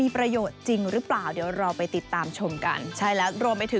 ก็เปาะต่อ